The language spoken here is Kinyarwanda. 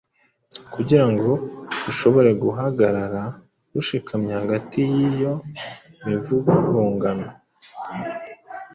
Kugira ngo rushobore guhagarara rushikamye hagati muri iyo mivurungano,